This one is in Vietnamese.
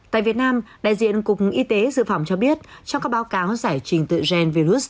tại việt nam đại diện cục y tế dự phòng cho biết trong các báo cáo giải trình tự gen virus